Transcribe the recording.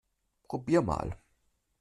Probier mal!